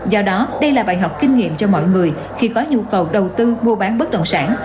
do đó đây là bài học kinh nghiệm cho mọi người khi có nhu cầu đầu tư mua bán bất động sản